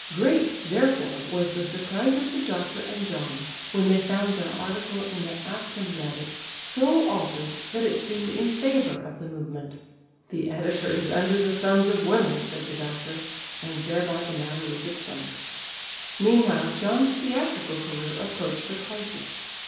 Great therefore was the surprise of the doctor and John when they found their article in the Aftonbladet so altered that it seemed in favour of the movement. "The editor is under the thumbs of women," said the doctor, and thereby the matter was explained. Meanwhile John's theatrical career approached a crisis.